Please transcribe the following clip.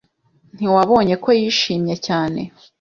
Ntiwabonye ko yishimye cyane?